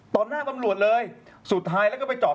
หน้าตำรวจเลยสุดท้ายแล้วก็ไปจอด